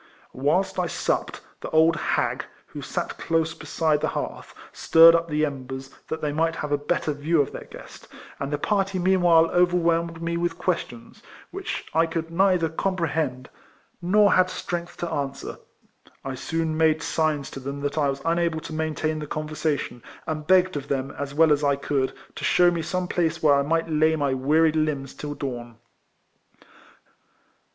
Whilst I supped, the old hag, who sat close beside the hearth, stirred up the embers, that they might have a better view of their guest, and the party meanwhile overwhelmed me with questions, which I could neither com prehend nor had strength to answer. I soon made signs to them that I was unable to maintain the conversation, and begged of them, as well as I could, to shew me some place where I might lay my wearied limbs till dawn.